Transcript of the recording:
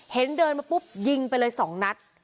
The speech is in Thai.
เห็นเดินมาปุ๊บยิงไปเลย๒นัด